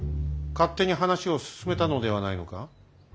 勝手に話を進めたのではないのか？